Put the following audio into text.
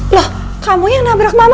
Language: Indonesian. loh kamu yang nabrak mama